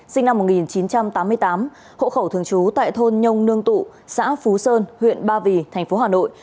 sinh năm một nghìn chín trăm tám mươi tám hộ khẩu thường trú tại thôn nhông nương tụ xã phú sơn huyện ba vì thành phố hà nội